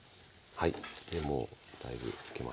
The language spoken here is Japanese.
はい。